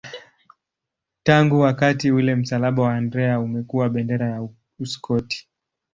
Tangu wakati ule msalaba wa Andrea umekuwa bendera ya Uskoti.